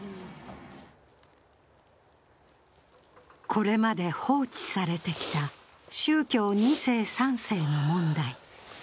これまで放置されてきた宗教２世、３世の問題。